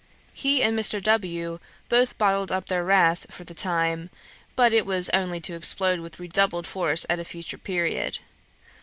He and Mr. W. both bottled up their wrath for that time, but it was only to explode with redoubled force at a future period.